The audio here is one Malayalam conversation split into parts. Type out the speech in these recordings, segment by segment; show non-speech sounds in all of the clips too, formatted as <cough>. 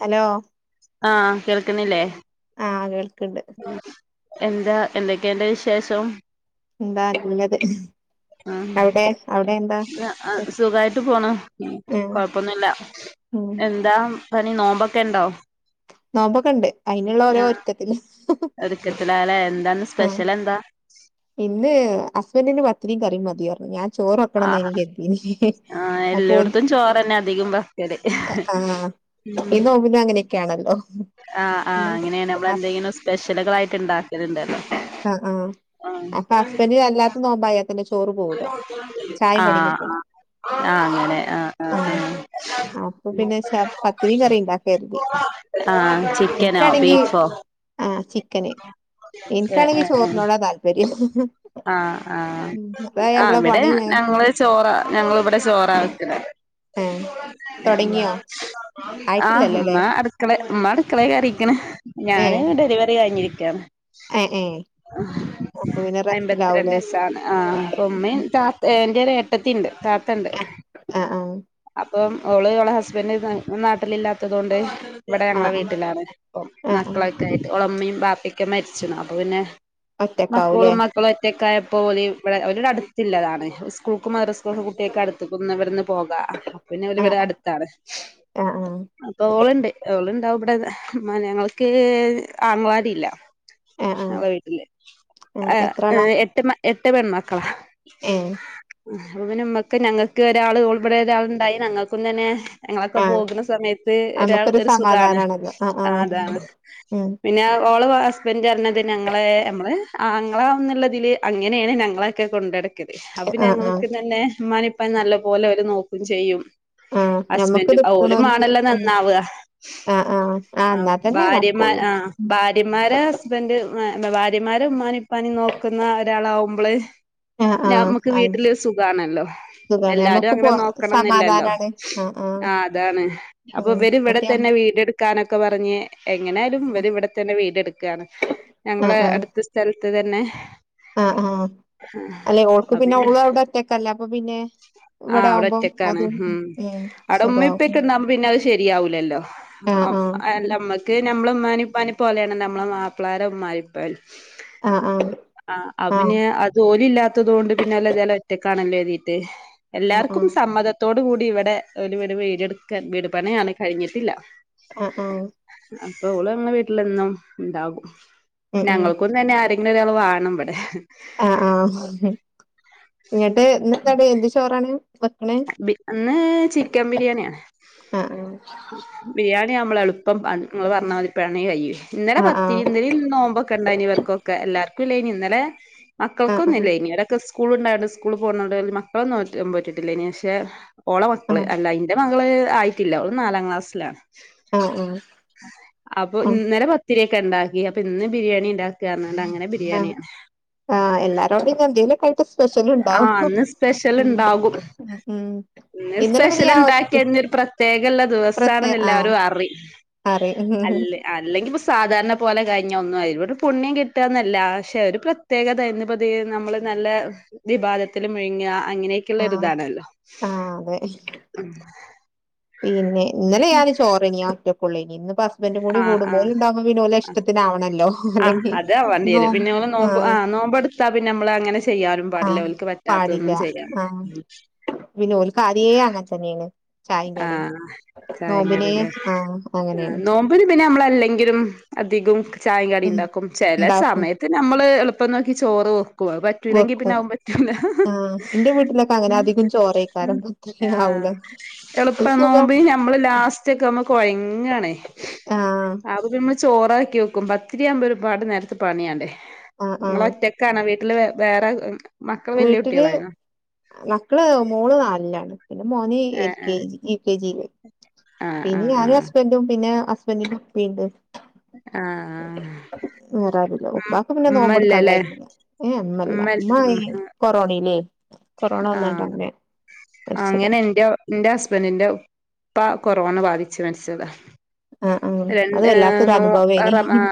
ഹലോ ആഹ കേൾക്കുന്നില്ലേ ആഹ് കേൾക്ക്ണ്ട് എന്താ എന്തൊക്കെയുണ്ട് വിശേഷം എന്താള്ളത് ആഹ് അവിടെ അവിടെ എന്താ സുഖായിട്ട് പോണ് ആഹ് കൊഴപ്പൊന്നുമില്ല ഉം എന്താ പണി നോമ്പൊക്കെ ഉണ്ടോ നോമ്പൊക്കണ്ട് അയിനുള്ള ഓരോ ഒരുക്കത്തിന് ഒരുക്കത്തിലാല്ലേ എന്താന്ന് ഹ് സ്പെഷ്യൽ എന്താ ഇന്ന് ഹസ്ബന്റിൻ പത്തിരി കറിയും മതിയായിരുന്നു ഞാൻ ആഹ് ചോറൊക്കണംന്ന് കരുതീന്നു ആഹ് അപ്പം ഓൾക്ക് എല്ലോടത്തും ചോറന്നെ അധികം വെക്കല് ഉം ഇന്ന് നോമ്പിന അങ്ങനെയൊക്കെയാണല്ലോ ആഹ് ആഹ് പിന്നെ അങ്ങനെയാണ് നമ്മൾ ഹസ് എന്തെങ്കിലും സ്പെഷ്യലുകൾയിട്ട് ഇണ്ടാക്കൽണ്ട് ആ ആ അപ്പൊ ഹസ്ബൻ്റിൻ അല്ലാത്ത നോമ്പയ ചോറ് പോല ചായ കടിക്കിട്ടു. ആഹ് ആഹ് അപ്പൊ പിന്നെ പത്തിരിം കറിം ഉണ്ടാക്കാണ് ആഹ് ചിക്കനോ ബീഫോ ആഹ ചിക്കന് എനിക്കാണെങ്കി ചോറിനോടാ താല്പര്യം മ്ഹ് ആഹ ആഹ് ആ ഇവിടെ പണി വേ ഞങ്ങള് ചോറ ഞങ്ങൾ ഇവിടെ ചോറ വക്കണ് ഉം ശ് ആഹ് ആയിട്ടില്ലല്ലോല്ലേ ഉമ്മ അടുക്കള ഉമ്മ അടുക്കളയിൽ കറിയിക്ക്ണ് ഏ ഞാൻ ഡെലിവറി കഴഞ്ഞിരിക്ക ഏ ഏ അപ്പൊ പിന്നെ എപത്തി രണ്ട് റെസ്റ്റിലാവൂലേ ദിവസണ് ആ അപ്പ ഉമ്മയും എന്റെ ഒരു ഏട്ടത്തി ഉണ്ട് താത്തണ്ട് ആ ആ ഇപ്പം അവൾ അവളെ ഹസ്ബന്ഡ് നാട്ടില ഇല്ലാത്തത് കൊണ്ട് ഇവിടെ ആ ഞങ്ങളെ ആ വീട്ടിലാണ് ഇപ്പം ആ ആ മക്കളൊക്കെ ആയിട്ട് ഒളെ ഇമയും ബാപ്പിയൊക്കെ മരിച്ചി അപ്പൊ പിന്നെ ഒറ്റക്കാവൂലേ ഒറ്റക്കായപ്പോൾ ഇവിടെ അടുത്തുള്ള അതാണ് സ്കൂൾക്കും മദ്രസ്കൂൾക്കും കുട്ടിയക്കെ അടുത്ത്ക്കുന്നവരുന്ന് പോകാ അപ്പൊന്നെ ആ ഒരുവിടെ ആ അടുത്താണ് ആ ആ അപ്പൊ ഓളുണ്ട് ഓളുണ്ടാവും ഇവിടെ ഞങ്ങൾക്ക് ആങ്ങളമാരില്ല ആ ആ അവ ആ വീട്ടില് എട്ട എട്ട് പെൺ മക്കളാ ആ ഏ ന ഉമ്മക്ക് ഞങ്ങൾക്ക് ഒരാൾ ഉൾപ്പെടെ ഒരാൾണ്ടായി ഞങ്ങക്കും തന്നെ ഞങ്ങളൊക്കെ ആ പോകുന്ന സമയത്ത് ഒരാൾ ഒരു സുഖാണ് ആ അതാണ് ഉം പിന്നെ ഓള് ഹസ്ബന്റ് പറഞ്ഞത് ഞങ്ങള് നമ്മള് ആങ്ങളാന്നുള്ളതിൽ അങ്ങനെയാണ് ഞങ്ങളൊക്കെ കൊണ്ടടക്കൽ അപ്പൊ ആ ആ ഞങ്ങക്ക് തന്നെ മ അപ്പ നല്ല പോലെ അവര് നോക്കും ചെയ്യും ആ ഞമ്മക്ക് ഹസ്ബൻഡും ഓലും നിക്കണോൽക്ക് ആണല്ലോ ഉം നന്നാവുക ആ ആ ആ എന്നാ തന്നെ ഭാര്യമാ നടക്കുള്ളൂ ആഹ് ഭാര്യമാര് ഹസ്ബന്ഡ് ഭാര്യമാരും ഉമ്മാനെ ഉപ്പാനെ നോക്കുന്ന ഒരാളാവുമ്പള്- ആ ആ ഞമ്മുക്ക് ആ വീട്ടില് സുഖമാണല്ലോ. സുഖാണ് എല്ലാരും നമ്മക്ക് അങ്ങനെ പോ നോക്കണം എന്നില്ലല്ലോ, സമാധാനാണ് ആ ആ ആഹ് അതാണ് അപ്പൊ ഉം ഇവര് ഇവിടെ മറ്റേ തന്നെ വീട്. വീട് എടുക്കാൻ ഒക്കെ പറഞ്ഞ, എങ്ങനെയായാലും ആ ഇവര് ഇവിടെ തന്നെ വീട്ടുയെടുക്കുവാണ് ആ ഞങ്ങള് ആ അടുത്തടുത്തായി. സ്ഥലത്ത് തന്നെ ആഹ് ആഹ് അല്ലെ ഓൾക്ക് പിന്നെ ഓള് അവിടെ ഒറ്റക്ക് അല്ല അപ്പൊ പിന്നെ. ഇവിടെ ആഹ് അവിടെ ആവുമ്പം അത് ഒറ്റക്കാണ്, ഉം അവിടെ ഉമ്മ സുഖാവും ഇപ്പൊക്കെ ഉണ്ടാവുമ്പോ പിന്നെ. ശരിയാവൂലല്ലോ ആഹ് ആം ആഹ് അല്ല നമ്മക്ക് നമ്മള് ഒന്നും. ഉമ്മനെയും ഉപ്പനെയും പോലെയാണ് നമ്മള് മാപ്പിളടെ ഉമ്മയും ഉപ്പയും. ആഹ് ആഹ് ആഹ് അപ്പ പിന്നെ അത് ഓലെ ഇല്ലാത്തത് കൊണ്ട് പിന്നെ അല്ല ഞാൻ ഒറ്റക്കാണല്ലോ എഴുതിയിട്ട്. ആഹ് എല്ലാവർക്കും ആഹ് സമ്മതത്തോടെ കൂടി ഇവിടെ ഓര് ഇവിടെ വീടുയെടുക്കാൻ വീട് പണിയാണ് കഴിഞ്ഞിട്ടില്ല. ആഹ് ആഹ് അപ്പ ഓള് അങ്ങ് വീട്ടിലെന്നും ഉണ്ടാകും, ഉം ഉം ഞങ്ങളെക്കൊന്ന് തന്നെ ആരെങ്കിലും ഒരാള് വാ കാണും ഇവിടെ ആഹ് ആഹ് ഇങ്ങട്ട് എന്ത് കടി എന്ത് ചോറ് ആണ്. ബി അന്ന് ചിക്കൻ ബിരിയാണിയാണ്, ആഹ് ബിരിയാണി നമ്മള് എളു പ്പം പറഞ്ഞു ഇങ്ങള് പറഞ്ഞതുമാതിരി പണി കഴിയും, ഇന്നലെ ആഹ് പത്തിരി ആഹ് എന്തര് നോമ്പൊക്കെ ഉണ്ടായിരുന്നു ഇവരൊക്കെ എല്ലാർക്കും. ക്കില്ലായിരുന്നു ഇന്നലെ മക്കൾക്ക് ആഹ് ഒന്നുമില്ലായിരുന്നു ഇവരൊക്കെ. സ്കൂൾ ഉണ്ടായിരുന്നു സ്കൂളിൽ പോകുന്നുണ്ടായിരുന്നു മക്കളൊന്നും പോറ്റിട്ടില്ല, പക്ഷേ ഓള് ആഹ് മക്കള് ആഹ് അല്ല അതിന്റെ. മക്കളെ ആയിട്ടില്ല ഓള് നാലാം ക്ലാസ്സില്, ആഹ് ആഹ് അപ്പൊ ആഹ് ഇന്നലെ. പത്തിരി ഒക്കെ ഉണ്ടാക്കി അപ്പൊ ഇന്ന് ബിരിയാണി ഉണ്ടാക്കായിരുന്നു. ആഹ് ആഹ് എല്ലാരോടെ ഞാൻ എന്തേലും കഴി സ്പെഷ്യൽ ഉണ്ടോ ആഹ് ഇന്ന് സ്പെഷ്യൽ ഉം ഉണ്ടാകും ഉം. ഇന്ന് ഇന്നലെ പിന്നെ സ്പെഷ്യൽ ഞാൻ ഒറ്റ ഇണ്ടാക്കിയ തന്നെ പ്രത്യേകുള്ള പ്രത്യേ ദിവസണെന്ന് ആഹ് എല്ലാരും അറി കറി അല്ല അല്ലെങ്കിൽ ഇപ്പൊ സാധാരണ പോലെ കഴിഞ്ഞ ഒന്നും ആയിടും. പുണ്യം കിട്ടാന്നല്ല ക്ഷെ ഒരു പ്രത്യേകതൈന്നുപ്പത് നമ്മള് നല്ല ഇബാദത്തില് മുഴുങ്ങ ആഹ് അങ്ങനെക്കൊള്ളൊരിതണല്ലോ ആഹ് അതെ പിന്നെ ഇന്നലെ ഞാന് ചോറെയ്നു ഞനൊറ്റക്കൊള്ളെയ്നു നി ഇന്ന് പ അപ്പന്റെ കൂടി ആഹ് കൂടുമ്പൊ ആഹ് ഓല് ണ്ടാവകുമ്പ പിന്നോലഷ്ടത്തിനാവണല്ലോ ആഹ് അല്ലെങ്കി നോ ആ നോമ്പെടുത്ത പിന്നെം ചെയ്യാനും പാടില്ലെവൽക്ക് പറ്റാത്തൊന്നും ചെയ്യും പിന്നോൽക്കാദേ അങ്ങനൻ തന്നേണ് ചായിം ആ കടിം ചായീം നോമ്പിനെ കടിയൊക്കെ ആഹ് അങ്ങനേണ് നോമ്പിന് പിന്നെ നമ്മളല്ലെങ്കിലും അധികം ചായീം കടീം ഉം ണ്ടാക്കും ചെല ഇണ്ടാക്കും സമയത്ത് നമ്മള് എള് പ്പം നോക്കി ചോറൊ പോവാൻ പറ്റൂലെങ്കി പിന്നെ വെക്കും അഉം പറ്റൂല ആഹ് ഇന്റെ വീട്ടിലൊക്കെ അങ്ങനെ അധികും ചോറേക്കാരം പത്തിരി ആ ഉം ആവൂല എളുപ് ഒരു പ്പൊ സുഖം നോമ്പിന് നമ്മള് ലാസ്റ്റെക്കുമ്പൊ കൊയങ്ങാണ് ആഹ് <unintelligible> ചോറാക്കി വെക്കും പത്തിരിയാവുമ്പോ ഒരുപാട് നേരത്തെ പണിയാണ്ടേ ആഹ് ആഹ് നിങ്ങളൊറ്റക്കണോ വീ ഇല്ല വേറെ ഉം വീട്ടില് മക്കള് മോള് നാലിലാണ് പിന്നെ മോ അനി എൽ ഏഹ് കെ ജി യുകെ ജീല് ആഹ് പിന്നെ ആഹ് ഞാനു ആഹ് ഹസ്ബന്റും പിന്നെ ഹസ്ബന്റിന്റെ ഉപ്പീണ്ട് ആ വേറാരൂല്ല ഉപ്പാക്ക് പിന്നെ നോമ്പെടുക്കാൻ കയൂല പിനെമ്മല്ല ഉമ്മ മ്മ ഈ കൊറോണീല് ആ മരിച്ചതാണ് അങ്ങനെന്റെ ന്റെ ഹസ്ബന്റിന്റെ ഉപ്പ കൊറോണ ബാധിച്ചു മരിച്ചതാ ആ ആ അത് രണ്ട്ഏ വല്ലാത്തൊരു നോ അ അനുഭവേനി റമളാ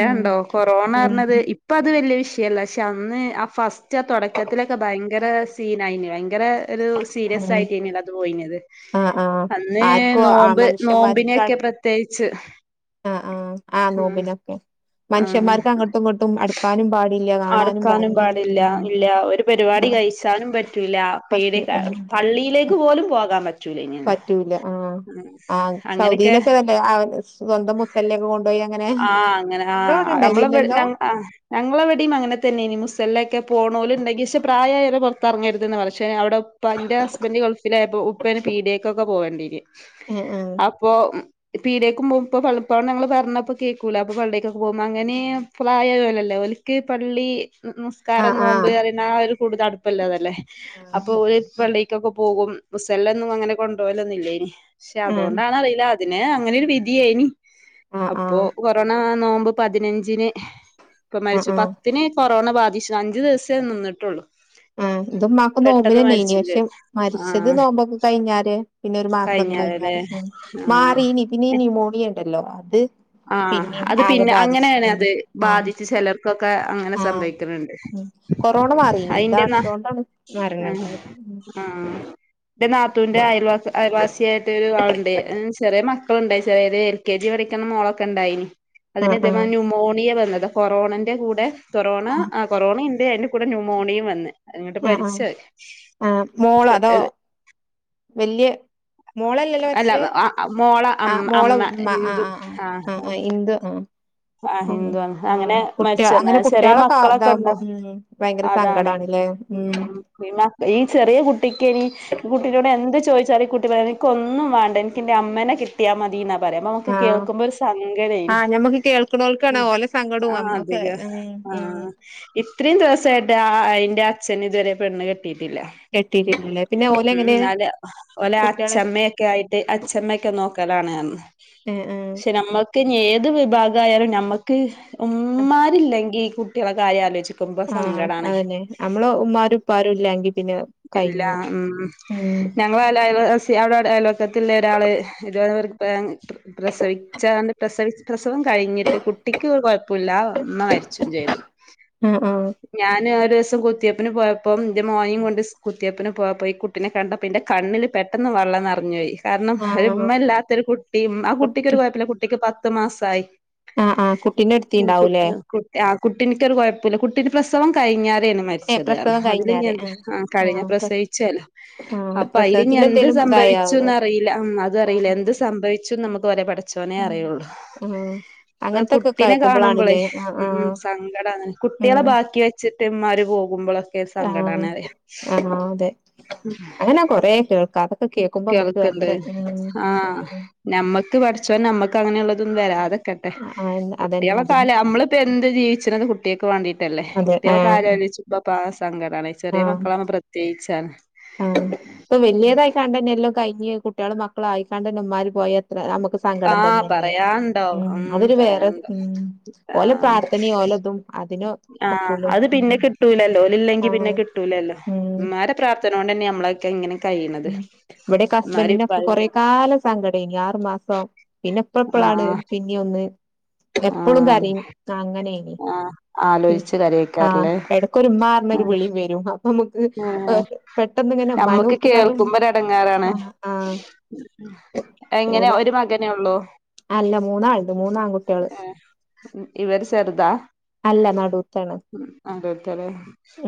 ഉം കൊറോണ ഉം റഞ്ഞത് ഇപ്പ അത് വല്യ വിഷയല്ല പക്ഷെ അന്ന് ആ ഫസ്റ്റ് ആ തുടക്കത്തിലൊക്കെ ഭയങ്കര സീനയിന് ഭയങ്കര ഒരു സീരിയസ് ആ ആയിട്ടന്നല്ല അത് പോയിത് ആ ആ അന്ന് ആർക്കും ആ നോമ്പ് മനുഷ്യന്മാർക്ക് നോമ്പിനെക്കെ പ്രത്യേകിച്ച് ആ ആ ആ നോബിനൊക്കെ ആ മനുഷ്യന്മാർക്ക് അങ്ങോട്ടും ഇങ്ങോട്ടും എടുക്കാനും പാടില്ല കാണാനും അടക്കാനും അങ്ങനെരു പാടില്ല ഇല്ല ഒരു പരിപാടി കഴിച്ചാനും പറ്റൂ പട പള്ളിയിലേക്ക് പോലും പോകാൻ പറ്റൂ പറ്റൂല്ല ആ ആ അങ്ങനെയൊക്കെ സൗദിയിലൊക്കെതല്ലേ അവ സ്വന്തം മുസലിന ഒക്കെ ആ് അങ്ങനെ ആമ്മള ഇണ്ടായിനില്ലല്ലോ ഞങ്ങളെ വവിടയും അങ്ങനെ തന്നെ ഇനി മുസല ഒക്കെ പോ ണല ഉണ്ടെങ്കിൽ പക്ഷേ പ്രായംരെ പുറത്തിറങ്ങരുതന്ന് പക്ഷേ അവിടെ അപ്പ എന്റെ ഹസ്ബന്ഡ് ഗൾഫിലയപ്പോ ഉപ്പേന് പീഡിയക്കൊക്കെ പോകേണ്ടിന് ആഹ് അപ്പൊ പി ടേക്കുമ്പോ ഇ പളപ്പഴം ങ്ങള് പറഞ്ഞപ്പ കേൾക്കൂല അപ്പൊ പള്ളിക്കൊക്കെ പോകുമ്പോ അങ്ങനെ ഫളായല്ലേ ഒലക്ക് പള്ളി നസ്കാരം ആഹ് നോമ്പ് ആഹ് അറണ ഒരു കൂടുതൽ അടുപ്പല്ലാതല്ലേ അപ്പൊ ഒരു പള്ളി ക്കെ പോകും മുസല്ലൊന്നും അങ്ങനെ കൊണ്ടപോലൊന്നില്ലേ ഇനി പക്ഷെ ആഹ് അതുകൊണ്ടാണറിയി അതിന് അങ്ങനെ ഒരു വിധിയായിനി ആഹ് ആഹ് അപ്പൊ ആഹ് കൊറോണ നോവുമ്പോ പതിനഞ്ചിന് ഇപ്പൊ ആഹ് മരിച്ചു ആഹ് പത്തിനെ കൊറോണ ബാധിച്ചു അഞ്ചു ദിവസേ നിന്നിട്ടുള്ളൂ ആ ഇതമാക്ക് പെട്ടെന്ന് നോമ്പിനന്നെ ഇനി മരിച്ചും പക്ഷെ ചെയ്തു മരിച്ചത് ആഹ് നോമ്പൊക്കെ കഴിഞ്ഞാര് പിന്നെ ഒരു മാസൊക്കെ കഴിഞ്ഞാലല്ലേ കൈഞ്ഞാല് ഉ ആഹ് മാറീനി പിന്നെഈ ന്യൂമോണിയ ഉണ്ടല്ലോ അത് പിന്നിം ആഅത് ആകെ പിന്നെ ബാധിച്ച് അങ്ങനെയാണ് ഉം അത് ആഹ് ബാധിച്ച് ചിലർ ഒക്കെ അങ്ങനെ ആഹ് സംഭവിക്കുന്നുണ്ട് ഉം കൊറോണ മാറീനി ഇതാ അതിന്റെ ന ഇതോണ്ടാണ് മരണം ആഹ ഇണ്ടായത് ഉം എന്റെ നാത്തൂവിന്റെ അയൽ അയൽവാസി ആയിട്ട് ഒരു ആളുണ്ട് ചെറിയമ്മ മണ്ടായിത് എൽ കെ ജി പഠിക്കുന്നോളൊക്കെ ഉണ്ടായിന് അതിന് ആഹ് ഇ ആഹ് ന്യുമോണിയന്ന അ കൊറോണന്റെ കൂടെ ആഹ് കൊറോണന്റെ കൊറോണ ഉന്റെ അതിന്റെ കൂടെ ന്യൂമോണിയയും വന്ന് അങ്ങട്ട് ആഹ് ആഹ് പരിച്ചത് ആഹ് മോളോ അതോ വല്യ മോളല്ലല്ലോ പക്ഷേ ള അ അമ്മ ഹിന്ദു ആ ആഹ് ആഹ് ഇന്റെ ആഹ് ഉം ആഹഹിന്ദുന്ന് അങ്ങനെ ആഹ് കുട്ട്യാ മരിച്ചന്ന അങ്ങനെ ചെറിയ കുട്ട്യാളൊക്കെ മക്കളൊക്കെ ഇതാവുമ്പോ ഇണ്ടോ ഉം ഭയങ്കര അതാണ് സങ്കടാണ്ല്ലേ ഉം പി ഈ ചെറിയ കുട്ടിക്ക്നി കുട്ടീട് എന്ത് ചോദിച്ചാറി കുട്ടി പറയണ് എനിക്ക് ഒന്നും വേണ്ട എനിക്ക് എന്റെ അമ്മേനെ കിട്ടിയാ മതീന്നാ പറയുമ്പോ നമുക്ക് ആഹ് കേൾക്കുമ്പോ ഒരു സങ്കടേനി. ആഹ് ഞമ്മക്ക് കേൾക്ക്ണോൽക്കാണ് ഓലെ സങ്കടവും ആ നമ്മക്ക് അതിക ഉം ആ ഉം ഇ ഇത്രയും ദിവസായിട്ട് അയിന്റെ അച്ഛന് ഇതുവരെ പെണ്ണ് കെട്ടിയിട്ടില്ല. പിന്നെ പിന്നെ ഓൽ ഉം ന്നാല് ഓലെ അച്ഛമ്മയൊക്കെ ആയിട്ട് അച്ഛമ്മൊക്കെ നോക്കലാണ് പഞ്. ഏഹ് ഏഹ് പക്ഷെ നമ്മക്ക് ഞ്ഞ് ഏത് വിഭാഗായാലും നമ്മക്ക് ഉമ്മാരില്ലെങ്കി കുട്ടികളെ കാര്യം ആലോചി ക്കുമ്പോ ആഹ് സങ്കടാണ് അതന്നെ നമ്മളെ ഉമ്മാരും ഉപ്പാരും ഇല്ലാങ്കി പിന്നെ ഇല്ലാ കഴിഞ്ഞു ഉം. ഉം ഞങ്ങളാ ലാ അയൽവാസ് അവിടെ അയൽ വക്കത്തിലുള്ള ഒരാൾ ഇത് വന്നവർക്ക് പ്രസവിച്ചാണ്ട് പ്രസവി പ്രസവം കഴിഞ്ഞിട്ട് കുട്ടിക്ക് ഒരു കുഴപ്പുല്ല ഉമ്മ മരിച്ചും ചെയ്തു ആഹ് ഞാൻ ആ ഒര് സം കുത്തിയ്പ്പിന് പോയപ്പോ ന്റെ മോനെ കൊണ്ട് കുത്തിയ്പ്പിന് പോയപ്പോ ഈ കുട്ടിനെ കണ്ടപ്പോന്റെ കണ്ണിൽ പെട്ടെന്ന് വ വെള്ളനെറഞ്ഞോയി ആഹ് ആഹ് കാരണംഉമ്മല്ലാത്തൊരു കുട്ടി ആ കുട്ടിക്ക് കുട്ടി ഒരു കുഴപ്പല്ല കുട്ടിക്ക് പത്ത് മാസയി. ആഹ് ആഹ് കുട്ടിനെ ഉം കു ഇട്ത്തീണ്ടാവൂലേ കുട്ടി ആ കുട്ടിക്കൊരു കുഴപ്പില്ല കുട്ടി പ്രസവം കഴിഞ്ഞാ തേനു ഏഹ് മരിച്ചത്റഞ്ഞു പ്രസവം അതിലിഞ്ഞി കഴിഞ്ഞാരെ എന്ത് ആഹ് എ കഴിഞ്ഞ ആഹ് പ്രസ് പ്രസവിച്ചല്ലോ ആഹ് അപ്പ അയിലിനി എന്ത് സ പ്രസവത്തിലെന്തേലും ഇതായാവൂലേ സംഭവിച്ചൂന്ന് അറീല ഉം അതും അറീല ആഹ് എന്ത് സംഭവിച്ചു ന്ന് നമു ച്ചോനേ ആഹ് ഉം അറിയൊള്ളൂ. ആഹ് അതാ അങ്ങനത്തൊക്കെ കുട്ടിനെ കാണുമ്പളേ കേൾക്കുമ്പോളാണില്ലേ ആഹ് ഉം ആഹ് സങ്കടാന്ന് കുട്ടികളെ ഉം ബാക്കി വെച്ച് ട്ട് ഇമ്മാര് പോകുമ്പള് ആഹ് ആഹ് അതെ അങ്ങനെ കൊറേ കേൾക്കാതെ കേൾക്ക്ണ്ട് ആഹ് സങ്കടം. നമ്മക്ക് പഠച്ചോൻ ന മ്മക്ക് അങ്ങനെള്ളതൊന്നും വരാതക്കെട്ടെ ആഹ് അതന്നെ കുട്ടികളെ അതന്നെ കാല നമ്മളിപ്പോ എന്ത് ജീവിച്ച്ണത് കു കുട്ട്യേക്ക്‌ വാണ്ടീട്ടല്ലേ അതെ കുട്ടികളെ കാര്യം ആഹ് ആലോയ്ച്ചുമ്പൊപ്പാ സങ്കടാണെയ് ചെറിയ ആഹ് മക്കളാവുമ്പോ പ്രത്യേയിച്ചാണ്. ആഹ് ഇപ്പൊ വല്ല്യേതായിക്കാണ്ടന്നെ എല്ലോം കയ്ഞ്ഞ് കുട്ട്യോളും മക്കളും ആയിക്കാണ്ടന്നെ ഉമ്മാര് പോയ എത്ര നമുക്ക് ആ സങ്കടം തന്നെയല്ലേ പറയാണ്ടോ ഉം ഹം അതൊരു വേറെ പറയാണ്ടോ ഉം ആ. ഓലെ പ്രാർത്ഥനയും ഓലതും അതിന് ആ ഒക്കൂല അത് ഉം പിന്നെ കിട്ടൂലല്ലോ ഓല്ല്ലെങ്കി പിന്നെ ആഹ് കിട്ടൂലല്ലോ ഉം മ്മാരെ പ്രാർത്ഥന അതോണ്ടന്നേ നമ്മളക്കേ ഇങ്ങനെ കഴിയണത് ഇവിടെക്കെ ഉമ്മാരേം ഹസ്ബന്റിനൊക്കെ ഉപ്പാരേം പ്രാർത്ഥന കുറേക്കാലംസങ്കടേനി ആ മാസം പിന്നെ ഇപ്പ ഇപ്പളാണ് ആഹ് പിന്നിം ഒന്ന് എപ്പളും ആഹ് കരിം ആ അങ്ങനെ ങ്ങനേനി ആഹ് പി ആലോചിച്ച് ആ കരയേക്കാരല്ലേ എടക്കരു മ്മാറഞ്ഞരു വിളി വരും. നമുക്ക് പെട്ടെന്ന് ഇങ്ങനെ മ്മാനോ കേൾക്കുമ്പോരു എടങ്ങേറാണ് എങ്ങനെ ഓലെ ഒരു മകനെ ഉള്ളൂ അല്ല മൂന്നാളുണ്ട് മൂന്ന് ആൺകുട്ടിള് ഏഹ് ഇവര് ചെറുതാ നടൂത്താണ് ആദ്യത്തേലേ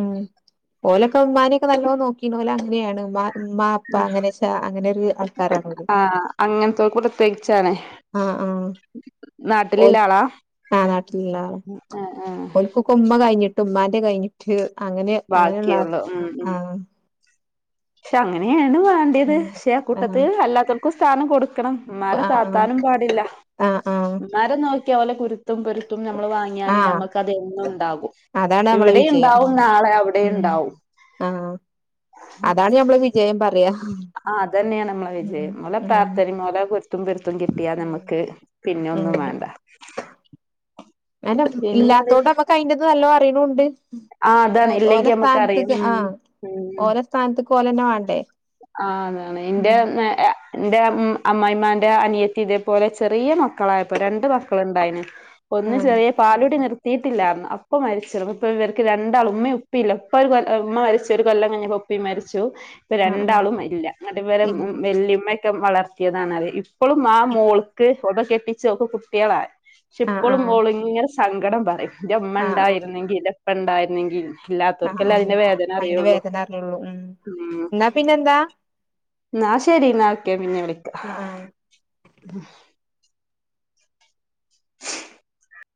ഉം ഓലൊക്കെ ഉമ്മാനെക്കെ നല്ലോ നോക്കിണ് ഓല് അങ്ങനെയണ് ഉമ്മാ ഉം ആൾക്കാരാണ് ഓല് ആ അങ്ങനത്തോൽക്ക് പ്രത്യേകിച്ചാണെ ഓല് ആ നാട്ടിലുള്ള ആഹ് ആഹ് ഓൽക്കക്കെ ഉമ്മ കഴിഞ്ഞി ഉമ്മാന്റെ കഴിഞ്ഞിട്ട് അങ്ങനെ അങ്ങനെയുള്ള ബാക്കിയുള്ളൂ ഉം ഉം ആ പക്ഷെ അങ്ങനെയാണ് വേണ്ടിയത് പക്ഷെ ആ ആഹ് കൂട്ടത്തിൽ അല്ലാത്തോൽക്കും സ്ഥാനം കൊടു ക്കണം ഇമ്മാരെ ആഹ് ആഹ് താത്താനും പാടില്ല ആഹ് ആഹ് ഇമ്മാരെ നോക്കിയ ഓലെ കുരു ത്തും പൊരുത്തും നമ്മൾ വാങ്ങിയാല് ആഹ് നമുക്കത് എന്നും ഉണ്ടാകും. അതാണ് നമ്മളെ വിജയം ഇവിടെയുണ്ടാവും നാളെ അവിടെയും ഉം ഉണ്ടാവും. ഇഞ്ഞ് ഞമ്മള് വിജയം പറ്യാ. ആഹ് അതന്നെയാണ് നമ്മളെ വിജയം ഓലെ ഉം പ്രാർഥനിം ഓലാ കുരുത്തും പൊരു ത്തും കിട്ടിയാ ഉം നമക്ക് പിന്നെ ഒന്നും വേണ്ട. അതെന്നെ പിന്നെ എന്ത് ഇല്ലാത്തോണ്ട് നമക്ക് അയിന്റെ ഇത് നല്ലോ അറിയുണുണ്ട്. ആ ഓ അതാണ് ഓല ഇല്ലെങ്കി നമ്മക്കറിയാം സ്ഥാനത്ത്ക്ക് ആ ഉം ഓല സ്ഥാനത്ത്ക്ക് ഓലന്നെ വേണ ആ അതാണ് ഇന്റെ <unintelligible> ഇൻ്റെ അമ്മമായിമാൻ്റെ അനിയത്തി ഇതേപോലെ ചെറിയ മക്കളായപ്പം രണ്ട് ക്കള് ഇണ്ടായ്ന് ഒന്ന് ആഹ് ചെറിയ പാലൂടി നിർ തീട്ടില്ലാ ഞ്ഞ് അപ്പൊ മരിച്ചിടും ഇപ്പ ഇവർക്ക് രണ്ടാളുംഉമ്മയും ഇപ്പിം ഇല്ല ഉപ്പ ഒരു കൊ ഉമ്മ മരിച്ചു ഒരു കൊല്ലം കഴിഞ്ഞപ്പോ ഉ പ്പിം മരിച്ചു ഇപ്പ ആഹ് ആഹ് രണ്ടാളും ഇല്ല ഇങ്ങട്ട് ഇവരെ ഇല്ല വെല്ലിയമ്മയൊക്കെ വളർത്തിയതാണ ഇപ്പളും ആ മോൾക്ക് ഓളിപ്പം കെട്ടിച്ച് ഓക്പ്പം കുട്ടിയേളായി പക്ഷെ ആഹ് ഇപ്പളും ആഹ് ഓളിങ്ങനെ സങ്കടം പറയും ഇൻ്റെമ്മ ആഹ് ഉണ്ടായിരുന്നെങ്കിൽ ഇൻ്റെപ്പ ഉണ്ടായിരുന്നെങ്കിൽ ന്ന് ആഹ് ആഹ് ഇല്ലാത്തവർക്കല്ലേ ആഹ് അതിന്റെ വേദന അയിന്റെ അറിയുള്ളൂ വേദന അറിഞ്ഞൊള്ളൂ ഉം ഉം എന്നാ പിന്നെന്താ ഇന്നാ ശരി ഇന്നാ ഓക്കെ പിന്നെ വിളിക്കാം ആഹ് ആഹ് മം